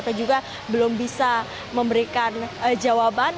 pak pepe juga belum bisa memberikan jawaban